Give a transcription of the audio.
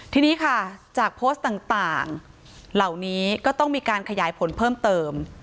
ทีนี้ค่ะจากโพสต์ต่างเหล่านี้ก็ต้องมีการขยายผลเพิ่มเติม